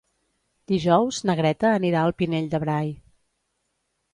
Dijous na Greta anirà al Pinell de Brai.